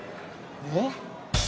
えっ？